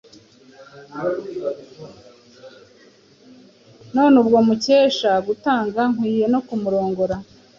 None ubwo mukesha gutunga nkwiye no kumurongora